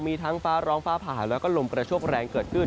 มีทั้งฟ้าร้องฟ้าผ่าแล้วก็ลมกระโชคแรงเกิดขึ้น